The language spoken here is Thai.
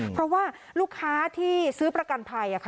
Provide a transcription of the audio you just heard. เพราะว่าลูกค้าที่ซื้อประกันภัย